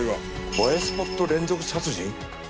映えスポット連続殺人？